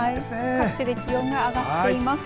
各地で気温が上がっています。